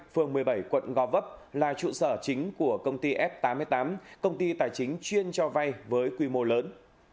phường một mươi bảy quận gò vấp là trụ sở chính của công ty f tám mươi tám công ty tài chính chuyên cho vay với quy mô lớn